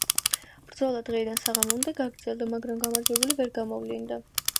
ბრძოლა დილიდან საღამომდე გაგრძელდა, მაგრამ გამარჯვებული ვერ გამოვლინდა.